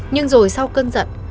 nhưng rồi sau cơn giận